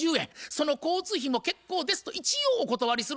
「その交通費も結構です」と一応お断りする。